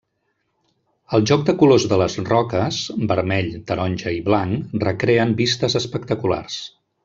El joc de colors de les roques, vermell, taronja i blanc, recreen vistes espectaculars.